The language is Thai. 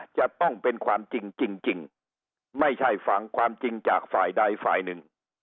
จะต้องเป็นความจริงจริงไม่ใช่ฟังความจริงจากฝ่ายใดฝ่ายหนึ่ง